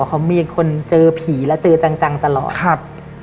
เค้ามีคนเจอผีแล้วเจอจังตลอด